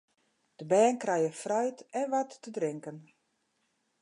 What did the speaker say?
De bern krije fruit en wat te drinken.